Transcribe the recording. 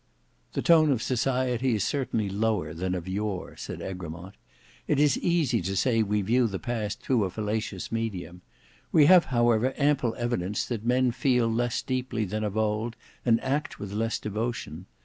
"The tone of society is certainly lower than of yore," said Egremont. "It is easy to say we view the past through a fallacious medium. We have however ample evidence that men feel less deeply than of old and act with less devotion.